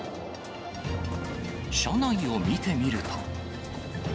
車内を見てみると。